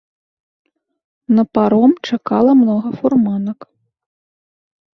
На паром чакала многа фурманак.